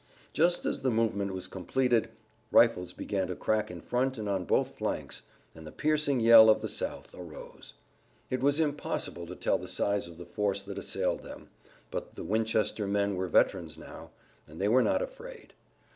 Just as the movement was completed rifles began to crack in front and on both flanks, and the piercing yell of the South arose. It was impossible to tell the size of the force that assailed them, but the Winchester men were veterans now, and they were not afraid.